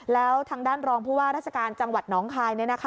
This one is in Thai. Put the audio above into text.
แล้วทางด้านรองผู้ว่าราชการจังหวัดน้องคาย